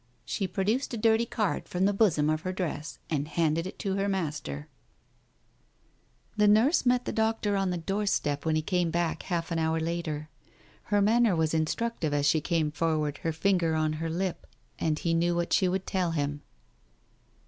" She produced a dirty card, from the bosom of her dress, and handed it to her master. ...••••••• The nurse met the doctor on the doorstep when he came back half an hour later. Her manner was instruc tive as she came forward, her finger on her lip, and he knew what she would tell him.